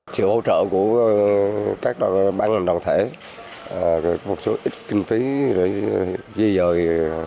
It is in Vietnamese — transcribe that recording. chịu bảo trợ của các bán đồng thể một số ít kinh tế để di dời